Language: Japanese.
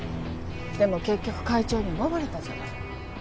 でも結局会長に奪われたじゃない。